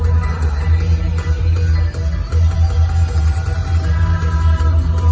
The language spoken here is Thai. สวัสดีครับ